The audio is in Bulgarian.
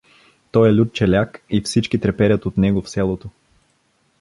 Той е лют челяк и всички треперят от него в селото.